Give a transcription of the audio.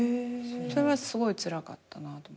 それはすごいつらかったなと。